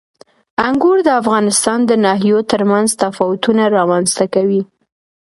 انګور د افغانستان د ناحیو ترمنځ تفاوتونه رامنځ ته کوي.